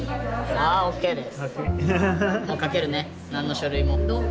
あＯＫです！